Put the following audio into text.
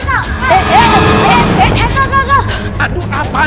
asun asun takut asun